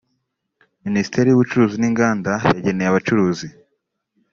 Minisiteri y’ubucuruzi n’inganda yageneye abacuruzi